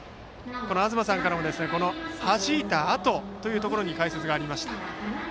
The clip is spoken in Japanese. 東さんからもはじいたあとというところに解説がありました。